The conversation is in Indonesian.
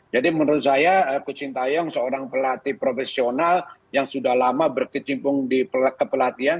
jadi menurut saya coach sintayong seorang pelatih profesional yang sudah lama berkecimpung di pelatihan